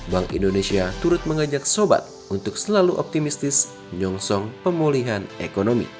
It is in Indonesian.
bank indonesia turut mengajak sobat untuk selalu optimistis menyongsong pemulihan ekonomi